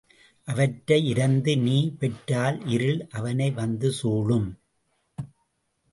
அவற்றை இரந்து நீ பெற்றால் இருள் அவனை வந்து சூழும்.